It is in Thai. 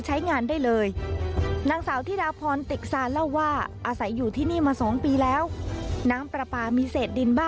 ใช่ครับ